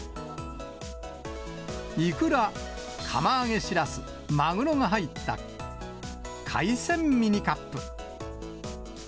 イクラ、釜揚げしらす、マグロが入った、海鮮ミニカップ。